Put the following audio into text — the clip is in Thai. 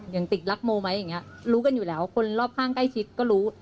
ติกรักโมไหมอย่างนี้รู้กันอยู่แล้วคนรอบข้างใกล้ชิดก็รู้